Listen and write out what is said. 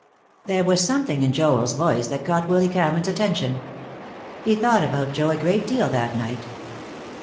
There was something in Joel's voice that caught Willy Cameron's attention. He thought about Joe a great deal that night.